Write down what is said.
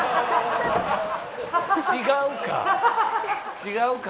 違うか。